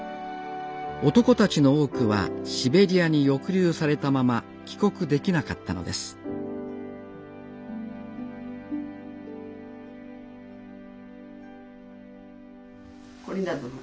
男たちの多くはシベリアに抑留されたまま帰国できなかったのですこれだどもな。